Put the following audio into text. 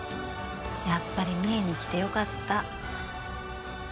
やっぱり三重に来てよかった